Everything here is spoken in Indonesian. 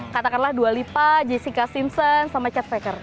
katakanlah dua lipa jessica simpson sama chatshaker